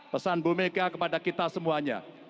pesan bumeka kepada kita semuanya